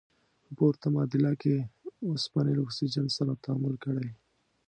په پورته معادله کې اوسپنې له اکسیجن سره تعامل کړی.